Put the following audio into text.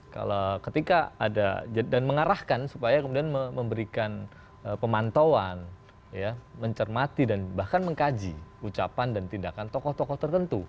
kalau ketika ada dan mengarahkan supaya kemudian memberikan pemantauan mencermati dan bahkan mengkaji ucapan dan tindakan tokoh tokoh tertentu